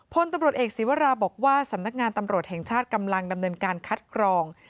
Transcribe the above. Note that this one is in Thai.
พลตำรวจเอกศีวราบอกว่าสำนักงานตำรวจแห่งชาติกำลังดำเนินการคัดกรอง